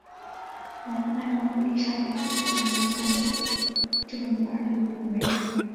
两人按照伊丽莎白姐姐的名字为这个女儿命名为。